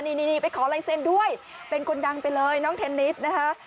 นี่ไปขอลายเซ็นด้วยเป็นคนดังไปเลยน้องเทนนิสนะคะ